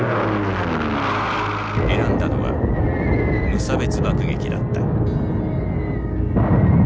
選んだのは無差別爆撃だった。